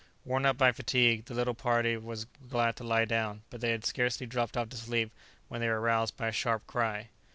Worn out by fatigue, the little party were glad to lie down, but they had scarcely dropped off to sleep when they were aroused by a sharp cry.